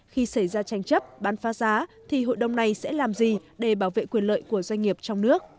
khi xảy ra tranh chấp bán phá giá thì hội đồng này sẽ làm gì để bảo vệ quyền lợi của doanh nghiệp trong nước